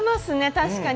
確かに。